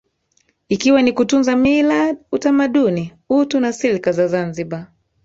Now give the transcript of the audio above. Ikiwa ni kutunza Mila utamaduni utu na silka za Zanzibar